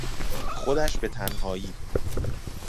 خودش به تنهایی